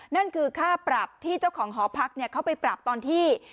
นั่นคือค่าปรับที่เจ้าของหอพักเขาไปปรับตอนที่